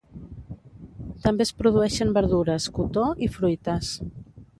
També es produeixen verdures, cotó i fruites.